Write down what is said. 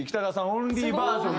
オンリーバージョン。